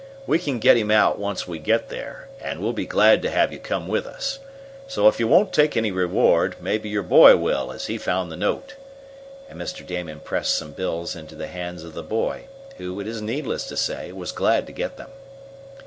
We can get him out once we get there, and we'll be glad to have you come with us. So if you won't take any reward, maybe your boy will, as he found the note," and Mr. Damon pressed some bills into the hands of the boy, who, it is needless to say, was glad to get them.